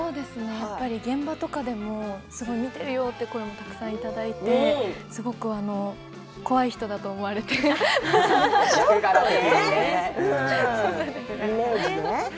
現場とかでもすごい見てるよという声をたくさんいただいてすごい怖い人だと思われていますね。